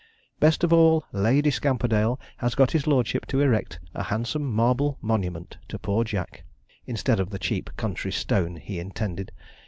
Best of all, Lady Scamperdale has got his lordship to erect a handsome marble monument to poor Jack, instead of the cheap country stone he intended.